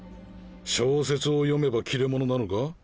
小説を読めば切れ者なのか？